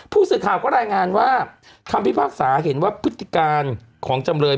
ผู้สื่อข่าวก็รายงานว่าคำพิพากษาเห็นว่าพฤติการของจำเลย